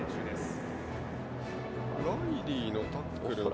ライリーのタックルは。